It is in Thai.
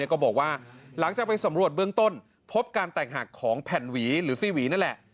ก็บอกว่าหลังจากไปสำรวจเบื้องต้นพบการแตกหักของแผ่นหวีหรือซี่หวีนั่นแหละ